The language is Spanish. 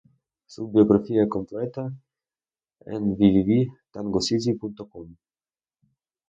Su biografía completa en www.tangocity.com.